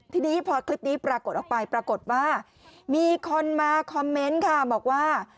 ทีนี้พอคลิปนี้ปรากฏออกไปปรากฏว่ามีคนมาคอมเมนต์ค่ะบอกว่า